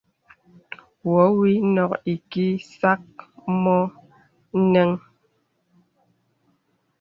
Wɔ wì nɔk ìkìì sàk mɔ nɛn.